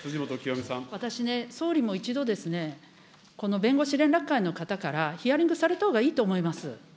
私ね、総理も一度ですね、この弁護士連絡会の方からヒアリングされたほうがいいと思います。